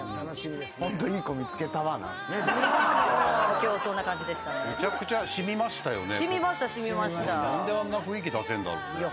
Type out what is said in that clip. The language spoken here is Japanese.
今日そんな感じでしたね。